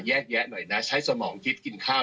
แยะหน่อยนะใช้สมองยึดกินข้าว